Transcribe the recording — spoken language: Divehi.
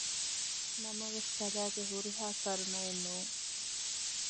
ނަމަވެސް ކަލާގެ ހުރިހާ ކަރުނައެއް ނޫން